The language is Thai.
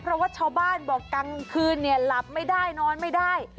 เพราะว่าชาวบ้านบอกกลางคืนเนี่ยหลับไม่ได้นอนไม่ได้